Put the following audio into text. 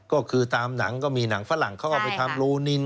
ก็คือตามหนังก็มีหนังฝรั่งเขาก็ไปทำโลนิน